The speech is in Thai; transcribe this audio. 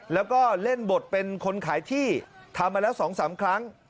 แล้วก็เล่นบทเป็นคนขายที่ทำมาแล้ว๒๓ครั้ง